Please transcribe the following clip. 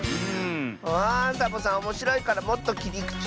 あサボさんおもしろいからもっときりくちみせて。